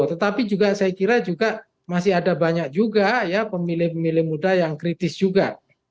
tetapi juga saya kira juga masih ada banyak juga ya pemilih pemilih muda yang kritis juga